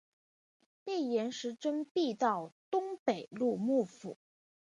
被严实征辟到东平路幕府。